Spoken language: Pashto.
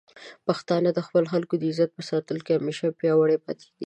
پښتانه د خپلو خلکو د عزت په ساتلو کې همیشه پیاوړي پاتې دي.